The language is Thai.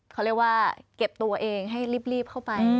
เขาเรียกว่าเก็บตัวเองให้รีบเข้าไป